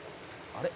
「あれ？」